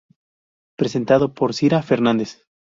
Presentado por Sira Fernández.